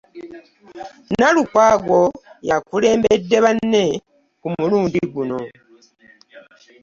Nalukwago yakulembedde banne ku mulundi guno.